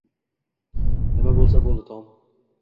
Nima bo`lsa, bo`ldi, Tom